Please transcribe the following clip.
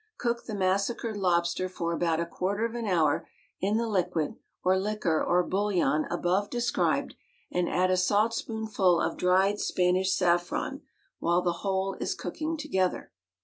Cook the massacred lobster for about af quarter of an hour in the liquid or liquor or bouillon abovo described and add a saltspoonful of dried Spanish saffron, while the whole is cooking together.